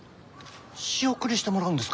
仕送りしてもらうんですか？